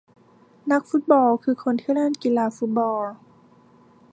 นักฟุตบอลคือคนที่เล่นกีฬาฟุตบอล